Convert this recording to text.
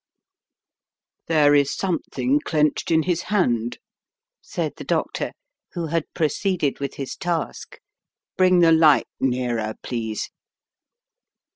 "There is something clenched in his hand/ 9 said the doctor, who had proceeded with his task. "Bring the light nearer, please."